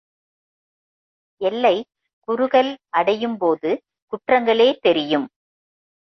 எல்லை குறுகல் அடையும்போது குற்றங்களே தெரியும்.